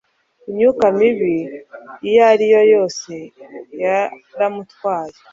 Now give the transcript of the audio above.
imyuka mibi iyariyo yose yaramutwaye